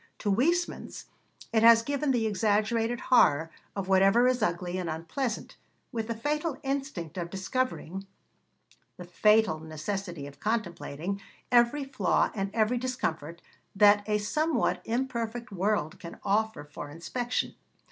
To Huysmans it has given the exaggerated horror of whatever is ugly and unpleasant, with the fatal instinct of discovering, the fatal necessity of contemplating, every flaw and every discomfort that a somewhat imperfect world can offer for inspection.